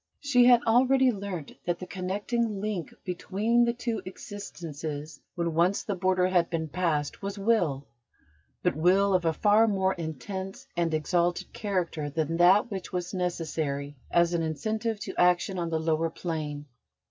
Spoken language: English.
She had already learnt that the connecting link between the two existences, when once the border had been passed, was Will: but Will of a far more intense and exalted character than that which was necessary as an incentive to action on the lower plane.